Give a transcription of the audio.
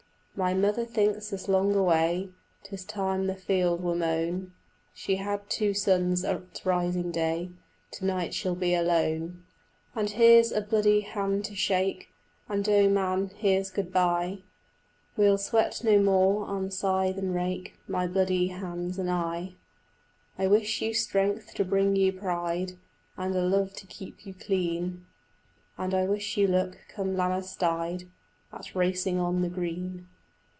"My mother thinks us long away; 'Tis time the field were mown. She had two sons at rising day, To night she'll be alone." "And here's a bloody hand to shake, And oh, man, here's good bye; We'll sweat no more on scythe and rake, My bloody hands and I." "I wish you strength to bring you pride, And a love to keep you clean, And I wish you luck, come Lammastide, At racing on the green."